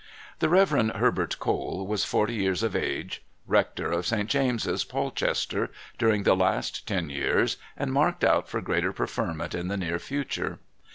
The Rev. Herbert Cole was forty years of age, rector of St. James's, Polchester, during the last ten years, and marked out for greater preferment in the near future.